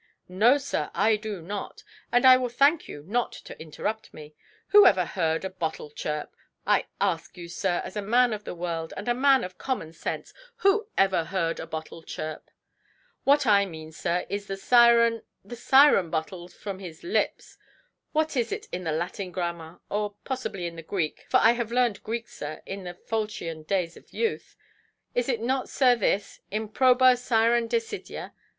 "No, sir, I do not, and I will thank you not to interrupt me. Who ever heard a bottle chirp? I ask you, sir, as a man of the world, and a man of common sense, who ever heard a bottle chirp? What I mean, sir, is the siren—the siren bottle from his lips. What is it in the Latin grammar—or possibly in the Greek, for I have learned Greek, sir, in the faulchion days of youth;—is it not, sir, this: improba Siren desidia?